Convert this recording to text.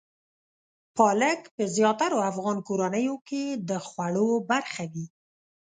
پالک په زیاترو افغان کورنیو کې د خوړو برخه وي.